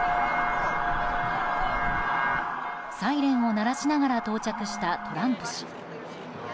サイレンを鳴らしながら到着したトランプ氏。